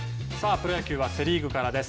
プロ野球はセ・リーグからです。